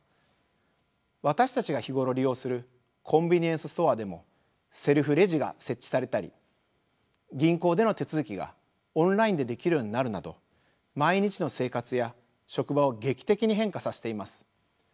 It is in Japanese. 私たちが日頃利用するコンビニエンスストアでもセルフレジが設置されたり銀行での手続きがオンラインでできるようになるなど毎日の生活や職場を劇的に変化させています。